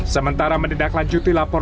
sementara mendidaklanjuti laporan